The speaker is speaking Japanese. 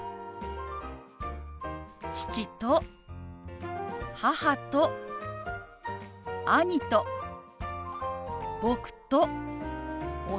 父と母と兄と僕と弟です。